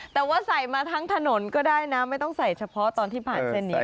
แต่ว่าใส่มาทั้งถนนก็ได้นะไม่ต้องใส่เฉพาะตอนที่ผ่านเส้นนี้